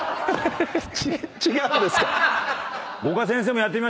違うんですか？